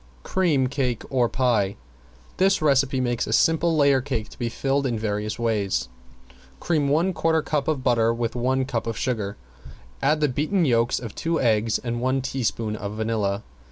~CREAM CAKE OR PIE~ This recipe makes a simple layer cake to be filled in various ways. Cream one quarter cup of butter with one cup of sugar, add the beaten yolks of two eggs and one teaspoon of vanilla.